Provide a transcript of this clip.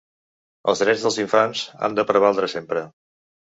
Els drets dels infants han de prevaldre sempre!